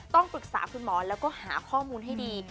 ต้องปรึกษาคุณหมอแล้วก็หาข้อมูลให้ดี